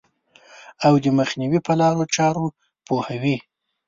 او د مخنیوي په لارو چارو پوهوي.